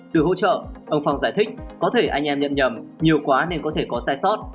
được hỗ trợ ông phong giải thích có thể anh em nhận nhầm nhiều quá nên có thể có sai sót